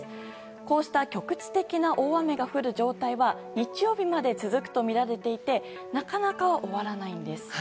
こうした局地的な大雨が降る状態は日曜日まで続くとみられていてなかなか終わらないんです。